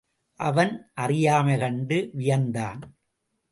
அவன் அறியாமை கண்டு வியந்தான்.